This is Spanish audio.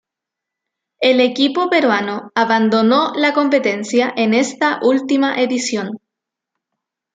El equipo peruano abandonó la competencia en esta última edición.